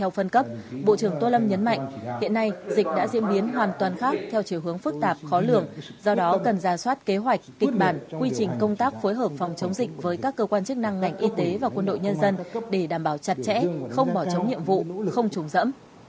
hôm nay dịch đã diễn biến hoàn toàn khác theo chiều hướng phức tạp khó lường do đó cần ra soát kế hoạch kịch bản quy trình công tác phối hợp phòng chống dịch với các cơ quan chức năng ngành y tế và quân đội nhân dân để đảm bảo chặt chẽ không bỏ chống nhiệm vụ không trùng dẫm